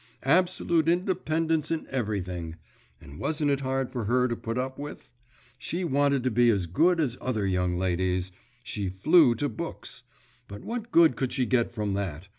Absolute independence in everything! And wasn't it hard for her to put up with? She wanted to be as good as other young ladies; she flew to books. But what good could she get from that?